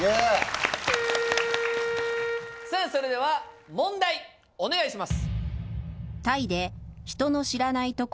さあそれでは問題お願いします！